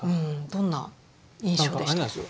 どんな印象でした？